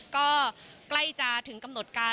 ก็ใกล้จะถึงกำหนดการ